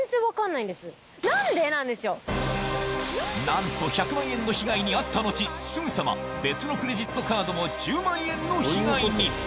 なんと１００万円の被害に遭った後すぐさま別のクレジットカードも１０万円の被害に！